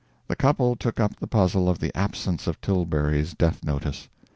The couple took up the puzzle of the absence of Tilbury's death notice.